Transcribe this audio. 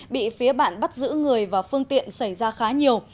bị phía bạn bắt giữ người và phương tiện xảy ra khá nhiều